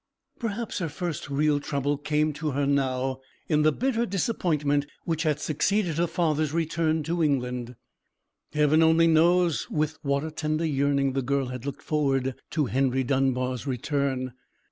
Perhaps her first real trouble came to her now in the bitter disappointment which had succeeded her father's return to England. Heaven only knows with what a tender yearning the girl had looked forward to Henry Dunbar's return.